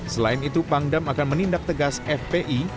selain itu pangdam akan menindak tegas fpi